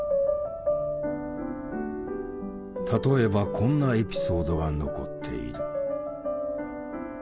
例えばこんなエピソードが残っている。